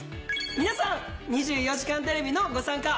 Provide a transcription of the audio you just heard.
皆さん『２４時間テレビ』のご参加。